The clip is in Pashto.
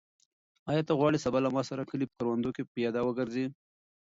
آیا ته غواړې سبا له ما سره د کلي په کروندو کې پیاده وګرځې؟